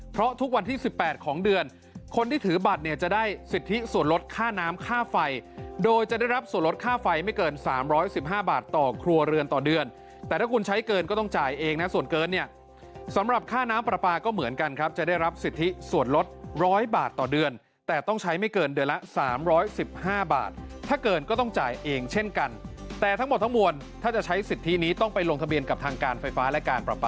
เพราะทุกวันที่๑๘ของเดือนคนที่ถือบัตรจะได้สิทธิส่วนลดค่าน้ำค่าไฟโดยจะได้รับส่วนลดค่าไฟไม่เกิน๓๑๕บาทต่อครัวเรือนต่อเดือนแต่ถ้าคุณใช้เกินก็ต้องจ่ายเองส่วนเกินสำหรับค่าน้ำปราปาก็เหมือนกันจะได้รับสิทธิส่วนลด๑๐๐บาทต่อเดือนแต่ต้องใช้ไม่เกินเดือนละ๓๑๕บาทถ้าเ